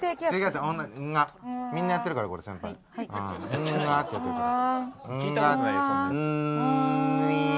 みんな「んが」ってやってるから。